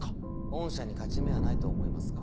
御社に勝ち目はないと思いますが。